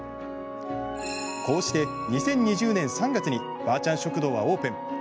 こうして２０２０年３月にばあちゃん食堂はオープン。